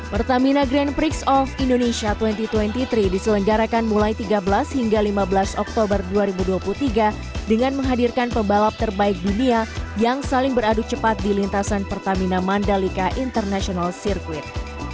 pertamina grand prix of indonesia dua ribu dua puluh tiga diselenggarakan mulai tiga belas hingga lima belas oktober dua ribu dua puluh tiga dengan menghadirkan pembalap terbaik dunia yang saling beradu cepat di lintasan pertamina mandalika international circuit